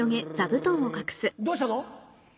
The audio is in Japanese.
どうしたの？